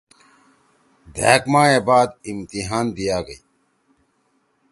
دھأک ماہ ئے بعد امتحان دیا گئی